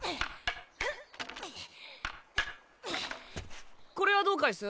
ふこれはどう返す？